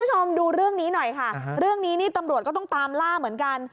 คุณผู้ชมดูเรื่องนี้หน่อยค่ะเรื่องนี้นี่ตำรวจก็ต้องตามล่าเหมือนกัน